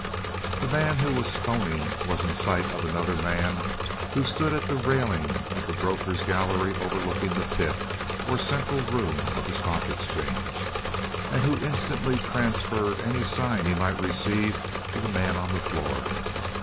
The man who was 'phoning was in sight of another man who stood at the railing of the brokers' gallery overlooking "the pit," or central room of the stock exchange, and who instantly transferred any sign he might receive to the man on the floor.